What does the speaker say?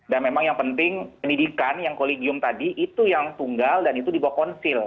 dan memang yang penting pendidikan yang kolegium tadi itu yang tunggal dan itu dibawa konsil